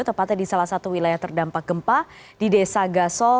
tepatnya di salah satu wilayah terdampak gempa di desa gasol